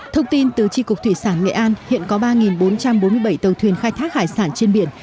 thông tin từ tri cục thủy sản nghệ an hiện có ba bốn trăm bốn mươi bảy tàu thuyền khai thác hải sản trên biển